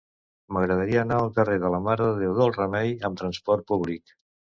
M'agradaria anar al carrer de la Mare de Déu del Remei amb trasport públic.